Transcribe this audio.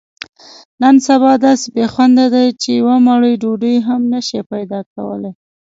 نن سبا داسې بې خوندۍ دي، چې یوه مړۍ ډوډۍ هم نشې پیداکولی.